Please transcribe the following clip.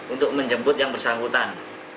untuk menjemput yang bersangkutan